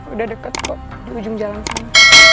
udah deket kok di ujung jalan sini